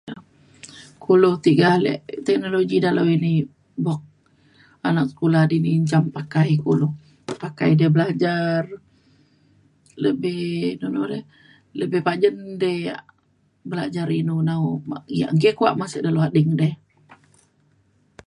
kulo tiga ale teknologi dalau ini buk anak sekula dini njam pakai kulu pakai dia belajar lebih nu nu re lebih pajen di yak belajar inu na nggi kuak masa ading de